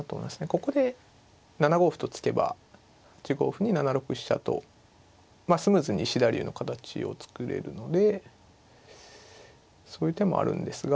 ここで７五歩と突けば８五歩に７六飛車とまあスムーズに石田流の形を作れるのでそういう手もあるんですが。